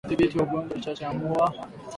Udhibiti wa ugonjwa wa kichaa cha mbwa